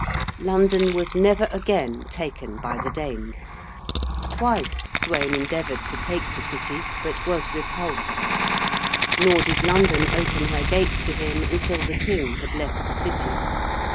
London was never again taken by the Danes. Twice Sweyn endeavoured to take the City but was repulsed. Nor did London open her gates to him until the King had left the City.